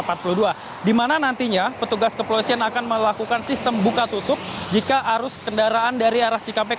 sehingga petugas kepolisian akan melakukan sistem buka tutup jika arus kendaraan dari arah cikampek